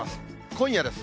今夜です。